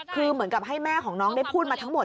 คือเหมือนกับให้แม่ของน้องได้พูดมาทั้งหมด